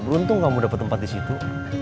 beruntung kamu dapat tempat disitu